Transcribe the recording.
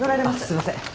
すいません。